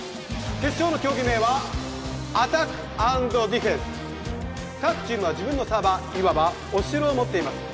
決勝の競技名はアタック＆ディフェンス各チームは自分のサーバーいわばお城を持っています